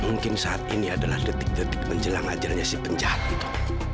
mungkin saat ini adalah detik detik menjelang ajalnya si penjahat itu